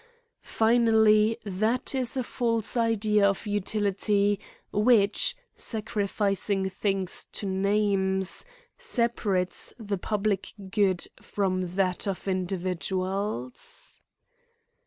Finally, that is a false idea of utility which, sacrificing things to nahies, separates the public good from that of individuals.